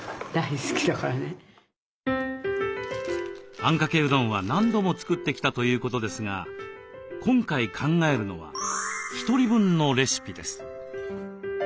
あんかけうどんは何度も作ってきたということですが今回考えるのはひとり分のレシピです。